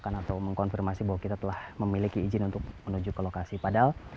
untuk menyatakan bahwa kita memiliki izin untuk menuju ke lokasi angel revenue functionatu